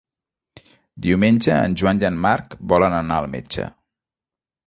Diumenge en Joan i en Marc volen anar al metge.